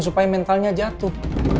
supaya mentalnya jatuh